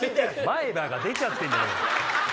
前歯が出ちゃってんじゃねえか！